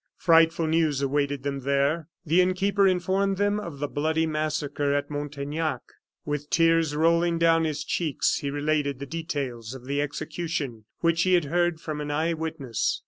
Frightful news awaited them there. The innkeeper informed them of the bloody massacre at Montaignac. With tears rolling down his cheeks, he related the details of the execution, which he had heard from an eyewitness.